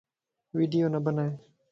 ويڊيو نه بنائي